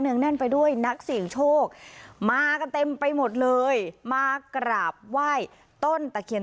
งแน่นไปด้วยนักเสี่ยงโชคมากันเต็มไปหมดเลยมากราบไหว้ต้นตะเคียน